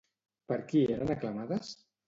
Per qui eren aclamades?